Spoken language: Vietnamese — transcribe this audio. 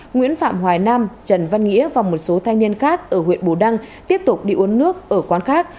nguyễn phạm hoài nam trần văn nghĩa và một số thanh niên khác ở huyện bù đăng tiếp tục đi uống nước ở quán khác